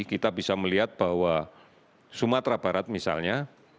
kita bisa melihat bahwa sumatera barat misalnya